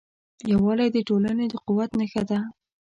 یووالی د ټولنې د قوت نښه ده.